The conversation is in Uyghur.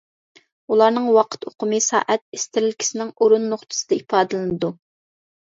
ئۇلارنىڭ ۋاقىت ئۇقۇمى سائەت ئىسترېلكىسىنىڭ ئورۇن نۇقتىسىدا ئىپادىلىنىدۇ.